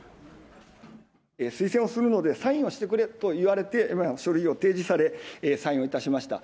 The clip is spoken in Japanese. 推薦をするのでサインをしてくれと言われて、書類を提示され、サインをいたしました。